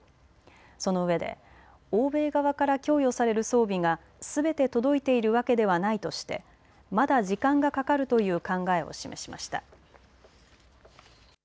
そのうえで欧米側から供与される装備がすべて届いているわけではないとして、まだ時間がかかるという考えを示しました。